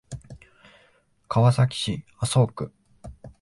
川崎市麻生区